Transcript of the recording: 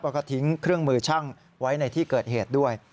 แล้วก็ทิ้งเครื่องมือช่างไว้ในที่เกิดเหตุด้วย